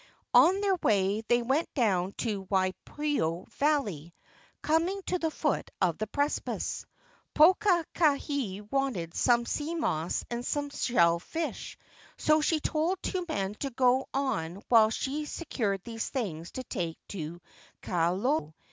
On their way they went down to Waipio Valley, LA U KA IEIE 37 coming to the foot of the precipice. Pokahi wanted some sea moss and some shell fish, so she told the two men to go on while she secured these things to take to Kaholo.